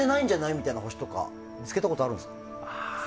みたいな星とか見つけたことあるんですか？